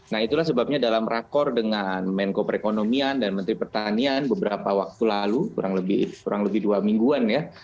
nah itulah sebabnya dalam rakor dengan menko perekonomian dan menteri pertanian beberapa waktu lalu kurang lebih dua mingguan ya